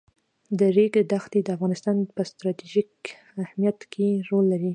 د ریګ دښتې د افغانستان په ستراتیژیک اهمیت کې رول لري.